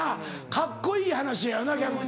カッコいい話やよな逆に。